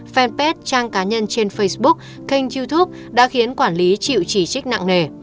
fanpage trang cá nhân trên facebook kênh youtube đã khiến quản lý chịu chỉ trích nặng nề